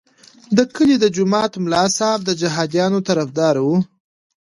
د کلي د جومات ملا صاحب د جهادیانو طرفدار وو.